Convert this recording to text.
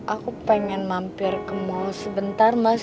aku pengen mampir ke mall sebentar mas